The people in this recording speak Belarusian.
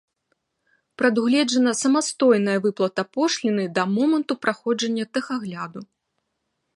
Прадугледжана самастойная выплата пошліны да моманту праходжання тэхагляду.